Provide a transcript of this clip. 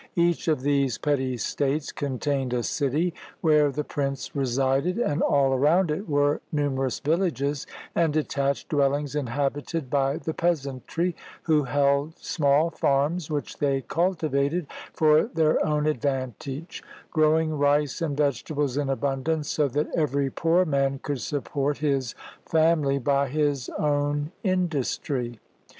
Each of these petty states contained a city, where the prince resided, and all around it were num erous villages and detached dwellings inhabited by the peasantry, who held small farms, which they cultivated for their own advantage, growing rice and vegetables in abundance, so that every poor man could support his family by his own industry.